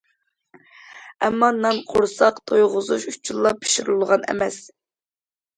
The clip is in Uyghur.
ئەمما، نان قورساق تويغۇزۇش ئۈچۈنلا پىشۇرۇلغان ئەمەس.